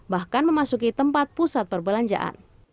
bahkan memasuki tempat pusat perbelanjaan